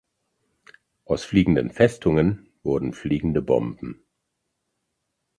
Aus "Fliegenden Festungen" wurden fliegende Bomben.